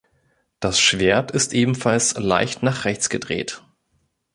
Das Schwert ist ebenfalls leicht nach rechts gedreht.